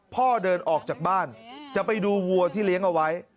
พ่อเดินออกจากบ้านจะไปดูวัวที่เลี้ยงเอาไว้